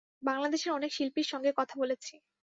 বাংলাদেশের অনেক শিল্পীর সঙ্গে কথা বলেছি।